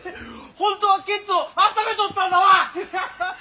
本当はケッツをあっためとったんだわ！